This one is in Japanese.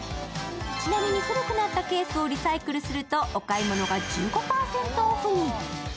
ちなみに古くなったケースをリサイクルするとお買い物が１５％オフに。